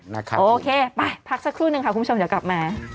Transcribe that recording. นะครับโอเคไปพักสักครู่หนึ่งค่ะคุณผู้ชมจะกลับมา